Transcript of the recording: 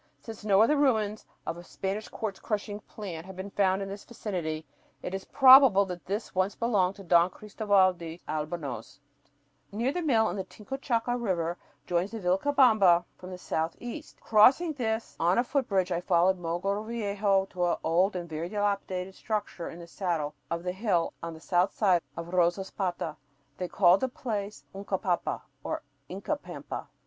Since no other ruins of a Spanish quartz crushing plant have been found in this vicinity, it is probable that this once belonged to Don Christoval de Albornoz. Near the mill the Tincochaca River joins the Vilcabamba from the southeast. Crossing this on a footbridge, I followed Mogrovejo to an old and very dilapidated structure in the saddle of the hill on the south side of Rosaspata. They called the place Uncapampa, or Inca pampa.